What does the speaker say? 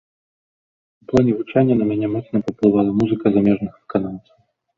У плане гучання на мяне моцна паўплывала музыка замежных выканаўцаў.